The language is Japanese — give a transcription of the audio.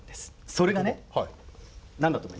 それがね何だと思います？